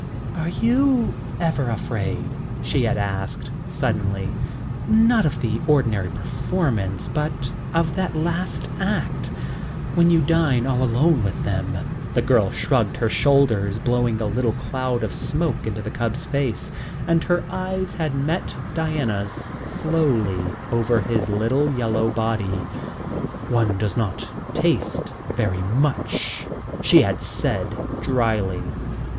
"Are you ever afraid?" she had asked suddenly "not of the ordinary performance, but of that last act, when you dine all alone with them?" The girl shrugged her shoulders, blowing a little cloud of smoke into the cub's face, and her eyes had met Diana's slowly over his little yellow body. "One does not taste very much," she had said drily.